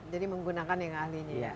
jadi menggunakan yang ahlinya ya